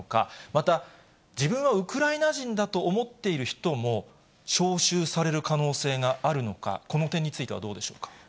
また、自分はウクライナ人だと思っている人も招集される可能性があるのか、この点についてはどうでしょうか。